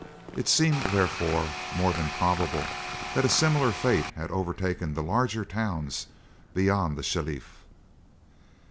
It seemed, therefore, more than probable that a similar fate had overtaken the larger towns beyond the Shelif.